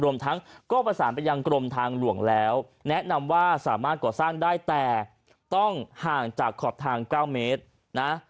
รวมทั้งก็ประสานไปยังกรมทางหลวงแล้วแนะนำว่าสามารถก่อสร้างได้แต่ต้องห่างจากขอบทาง๙เมตรนะ